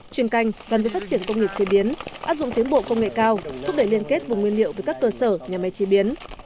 chuyên canh gắn với phát triển công nghiệp chế biến áp dụng tiến bộ công nghệ cao thúc đẩy liên kết vùng nguyên liệu với các cơ sở nhà máy chế biến